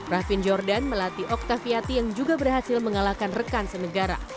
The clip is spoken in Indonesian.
rafin jordan melatih octaviati yang juga berhasil mengalahkan rekan senegara